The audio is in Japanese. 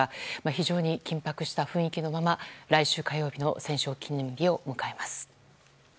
非常に緊迫した雰囲気のまま来週火曜日の戦勝記念日を迎えます。